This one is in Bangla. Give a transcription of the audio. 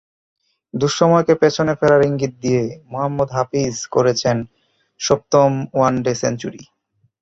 দুঃসময়কে পেছনে ফেরার ইঙ্গিত দিয়ে মোহাম্মদ হাফিজ করেছেন সপ্তম ওয়ানডে সেঞ্চুরি।